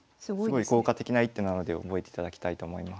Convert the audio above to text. すごい効果的な一手なので覚えていただきたいと思います。